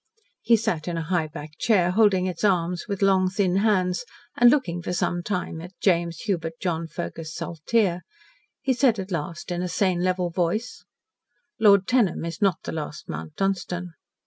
He sat in a high backed chair, holding its arms with long thin hands, and looking for some time at James Hubert John Fergus Saltyre. He said, at last, in a sane level voice: "Lord Tenham is not the last Mount Dunstan."